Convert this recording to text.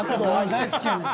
大好きやねん。